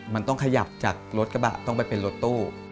มันต้องขยับจากรถกระบะต้องไปเป็นรถตู้